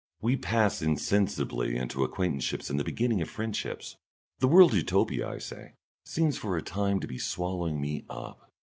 We pass insensibly into acquaintanceships and the beginnings of friendships. The World Utopia, I say, seems for a time to be swallowing me up.